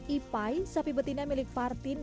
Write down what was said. ipai sapi betina milik partin